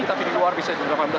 tapi di luar bisa juga delapan belas